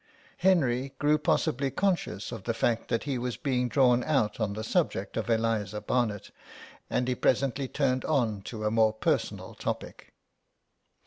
Henry grew possibly conscious of the fact that he was being drawn out on the subject of Eliza Barnet, and he presently turned on to a more personal topic.